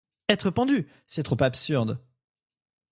Être pendu! c’est trop absurde.